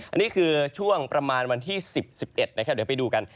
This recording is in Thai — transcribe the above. อันนี้คือช่วงประมาณวันที่๑๐๑๑นะครับเดี๋ยวไปดูกัน